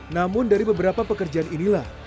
namun dari beberapa pekerjaan inilah